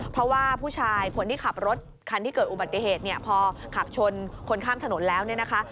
เพราะว่าผู้ชายคนที่ขับรถคันที่เกิดอุบัติเหตุเนี่ยพอขับชนคนข้ามถนนแล้วเนี่ยนะคะ